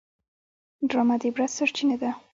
ډرامه د عبرت سرچینه ده